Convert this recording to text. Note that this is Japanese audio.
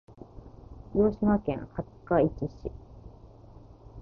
広島県廿日市市